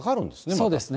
そうですね。